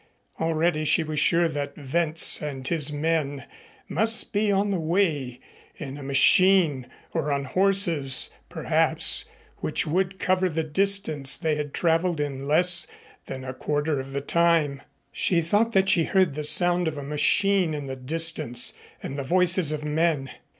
Already she was sure that Wentz and his men must be on the way in a machine or on horses, perhaps which would cover the distance they had traveled in less than a quarter of the time. She thought that she heard the sound of a machine in the distance and the voices of men.